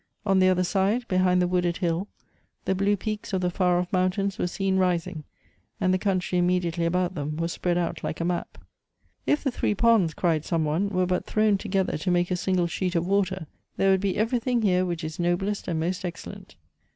On the other side, hehind the wooded hill, the blue peaks of the far off mountains were seen rising, and the country immediately about them was spread out like a map. " If the three ponds," cried some one, " were but thrown together to make a single sheet of water, there would be everything here which is noblest and most excellent."